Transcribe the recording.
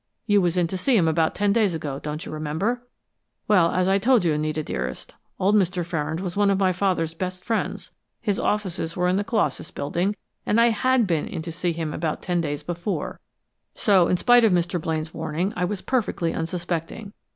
You was in to see him about ten days ago, don't you remember?' "Well, as I told you, 'Nita dearest, old Mr. Ferrand was one of my father's best friends. His offices were in the Colossus Building, and I had been in to see him about ten days before so in spite of Mr. Blaine's warning, I was perfectly unsuspecting.